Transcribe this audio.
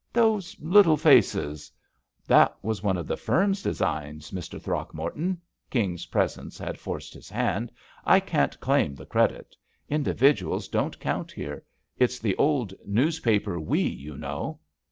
Those little faces —" "That was one of the firm's designs, Mr. Throckmorton" — King's presence had forced his hand — "I can't claim the credit. Indi viduals don't count here. It's the old news paper 'we,' you know."